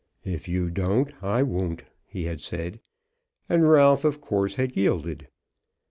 "If you don't, I won't," he had said; and Ralph of course had yielded.